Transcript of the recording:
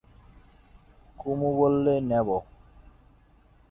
কুমু বললে, নেব।